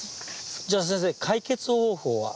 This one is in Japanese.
じゃあ先生解決方法は？